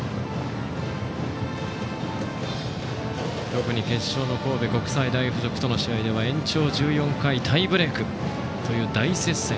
特に決勝の神戸国際大付属との試合では延長１４回タイブレークという大接戦。